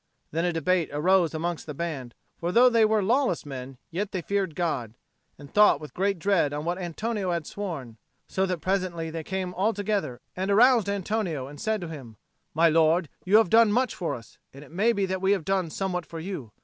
Then a debate arose amongst the band, for, though they were lawless men, yet they feared God, and thought with great dread on what Antonio had sworn; so that presently they came altogether, and aroused Antonio, and said to him, "My lord, you have done much for us, and it may be that we have done somewhat for you.